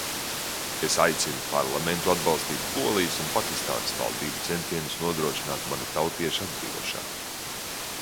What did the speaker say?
Es aicinu Parlamentu atbalstīt Polijas un Pakistānas valdību centienus nodrošināt mana tautieša atbrīvošanu.